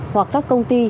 hoặc các công ty